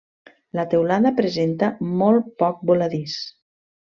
La teulada presenta molt poc voladís.